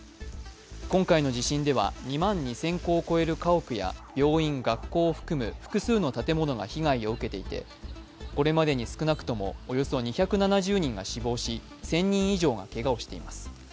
今回の地震では２万２０００戸を超える家屋や病院・学校を含む複数の建物が被害を受けていてこれまでに少なくともおよそ２７０人が死亡し１０００人以上がけがをしています。